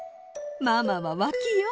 ママはわきよ。